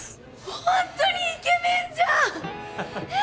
ホントにイケメンじゃんえ！